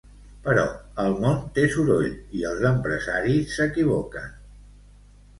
Però el món té soroll i els empresaris s'equivoquen.